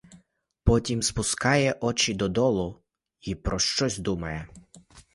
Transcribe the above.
Потім спускає очі додолу й про щось думає.